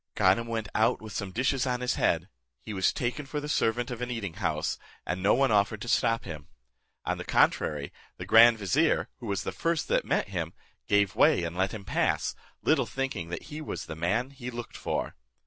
Ganem went out with some dishes on his head: he was taken for the servant of an eating house, and no one offered to stop him. On the contrary, the grand vizier, who was the first that met him, gave way and let him pass, little thinking that he was the man he looked for.